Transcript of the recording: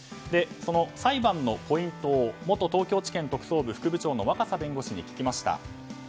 その裁判のポイントを元東京地検特捜部の副部長の若狭弁護士に聞きました。